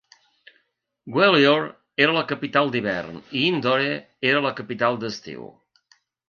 Gwalior era la capital d'hivern i Indore era la capital d'estiu.